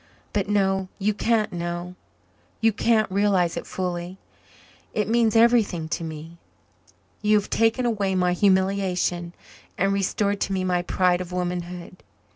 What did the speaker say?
"But no you can't know you can't realize it fully. It means everything to me. You have taken away my humiliation and restored to me my pride of womanhood.